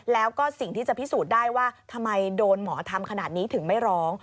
แล้วก็สิ่งที่จะพิสูจน์ได้ว่าทำไมโดนหมอทำขนาดนี้ถึงไม่ร้อง